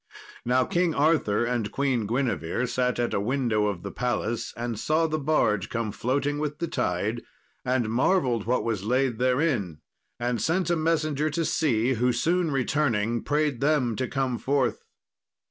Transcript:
Now King Arthur and Queen Guinevere sat at a window of the palace, and saw the barge come floating with the tide, and marvelled what was laid therein, and sent a messenger to see, who, soon returning, prayed them to come forth.